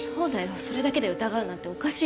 それだけで疑うなんておかしい